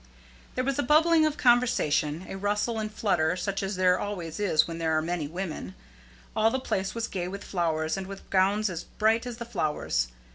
There was a bubbling of conversation, a rustle and flutter such as there always is where there are many women. All the place was gay with flowers and with gowns as bright as the flowers.